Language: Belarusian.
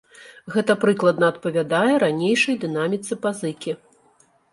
Гэта прыкладна адпавядае ранейшай дынаміцы пазыкі.